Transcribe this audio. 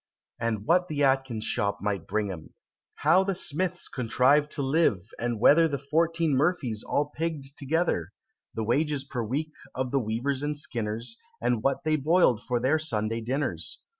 And what the Atkins's shop might bring 'em? How the Smiths contrived to live? and whether The fourteen Murphys all pigg'd together? The wages per week of the Weavers and Skinners, And what they boil'd for their Sunday dinners?